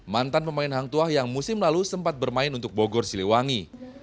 mantan pemain hangtua yang musim lalu sempat bermain untuk bogor siliwangi